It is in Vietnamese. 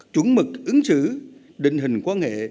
chuẩn mực ứng xử định hình quan hệ